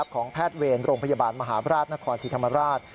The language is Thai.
ของแพทย์เวรโรงพยาบาลมหาบราชนครศรีธรรมราช